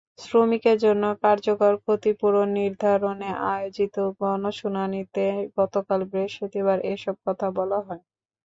শ্রমিকের জন্য কার্যকর ক্ষতিপূরণ নির্ধারণে আয়োজিত গণশুনানিতে গতকাল বৃহস্পতিবার এসব কথা বলা হয়।